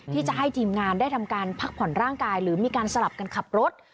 ที่จะให้ทีมงานได้ทำการพักผ่อนร่างกายหรือมีการสลับกันขับรถ